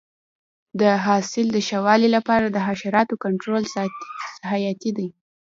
د حاصل د ښه والي لپاره د حشراتو کنټرول حیاتي دی.